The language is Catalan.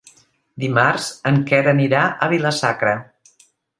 Dimarts en Quer anirà a Vila-sacra.